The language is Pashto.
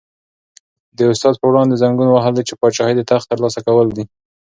د استاد په وړاندې زنګون وهل د پاچاهۍ د تخت تر لاسه کول دي.